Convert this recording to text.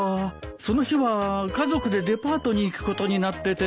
その日は家族でデパートに行くことになっててねえ。